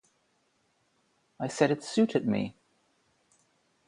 I said it suited me.